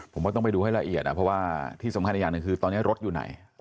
ผมว่าต้องไปดูให้ละเอียดเพราะว่าที่สำคัญอีกอย่างหนึ่งคือตอนนี้รถอยู่ไหน